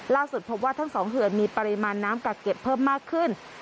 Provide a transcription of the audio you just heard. พบว่าทั้งสองเขื่อนมีปริมาณน้ำกักเก็บเพิ่มมากขึ้น